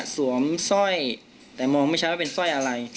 สร้อยแต่มองไม่ชัดว่าเป็นสร้อยอะไร